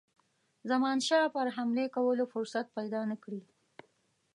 زمانشاه پر حملې کولو فرصت پیدا نه کړي.